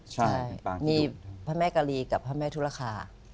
ใช่มีพระแม่กะลีกับพระแม่ธุรคา